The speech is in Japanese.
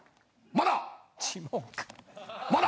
まだ！